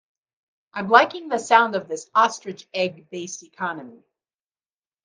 I'm liking the sound of this ostrich egg based economy.